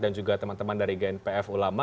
dan juga teman teman dari gnpf ulama